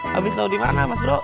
habis tau dimana mas bro